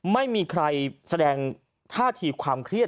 ไม่มีใครแสดงท่าทีความเครียด